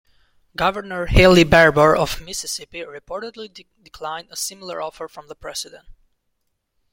Governor Haley Barbour of Mississippi reportedly declined a similar offer from the President.